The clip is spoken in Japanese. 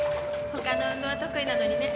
他の運動は得意なのにね。